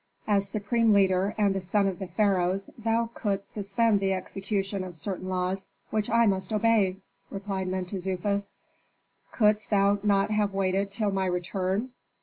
"As supreme leader and a son of the pharaoh thou couldst suspend the execution of certain laws which I must obey," replied Mentezufis. "Couldst thou not have waited till my return?"